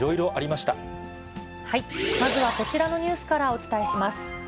まずはこちらのニュースからお伝えします。